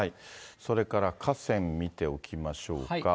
それから、河川、見ておきましょうか。